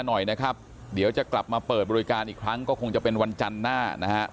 หน่อยนะครับเดี๋ยวจะกลับมาเปิดบริการอีกครั้งก็คงจะเป็นวันจันทร์หน้านะฮะ